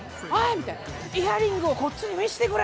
みたいな、イヤリングをこっちに見せてくれ！